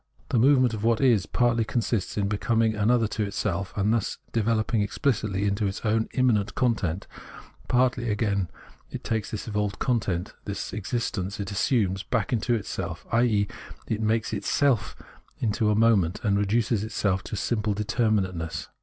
The movement of what is partly consists in becoming another to itself, and thus developing exphcitly into its own immanent content ; partly, again, it takes this evolved content, this existence it assumes, back into it self, i.e. makes itself into a mom^ent, and reduces itself to gjmple determinateness.